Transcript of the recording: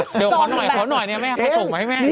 ส่งแบบเดี๋ยวขอหน่อยเนี่ยแม่ไปส่งให้แม่